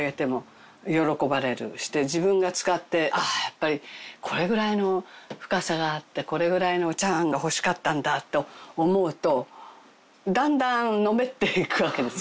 自分が使ってやっぱりこれぐらいの深さがあってこれぐらいのお茶わんが欲しかったんだと思うとだんだんのめっていくわけですよ。